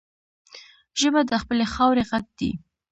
ژبه د خپلې خاورې غږ دی